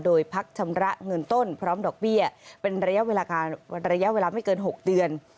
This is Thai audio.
โดยพักชำระเงินต้นพร้อมดอกเบี้ยเป็นระยะระยะเวลาไม่เกิน๖เดือน